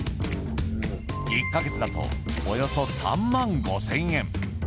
１か月だとおよそ３万５０００円。